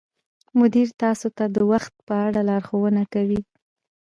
مدیر تاسو ته د وخت په اړه لارښوونه کوي.